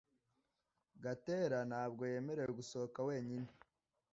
Gatera ntabwo yemerewe gusohoka wenyine.